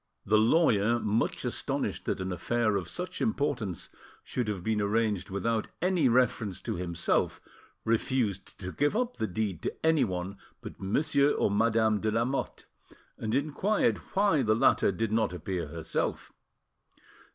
The lawyer, much astonished that an affair of such importance should have been arranged without any reference to himself, refused to give up the deed to anyone but Monsieur or Madame de Lamotte, and inquired why the latter did not appear herself.